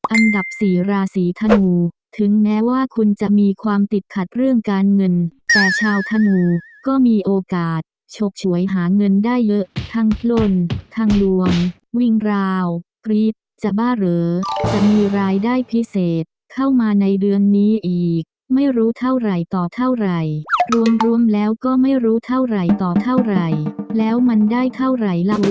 อันดับสี่ราศีธนูถึงแม้ว่าคุณจะมีความติดขัดเรื่องการเงินแต่ชาวธนูก็มีโอกาสโชคฉวยหาเงินได้เยอะทั้งพลนทางลวงวิ่งราวกรี๊ดจะบ้าเหรอจะมีรายได้พิเศษเข้ามาในเดือนนี้อีกไม่รู้เท่าไหร่ต่อเท่าไหร่รวมรวมแล้วก็ไม่รู้เท่าไหร่ต่อเท่าไหร่แล้วมันได้เท่าไหร่ล่ะ